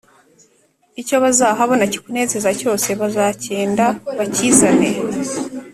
icyo bazahabona kikunezeza cyose bazacyende bakizane”